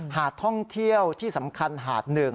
หาดท่องเที่ยวที่สำคัญหาดหนึ่ง